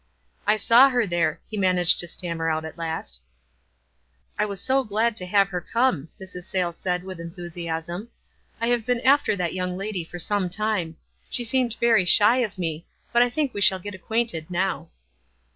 "I saw her there," he managed to stammer out at last. 104 WISE AND OTHERWISE. " I was so glad to have her come," Mrs. Sayles said, with enthusiasm. "I have been after that young lady for some time. She seemed very shy of me ; but I think we shall get acquainted now."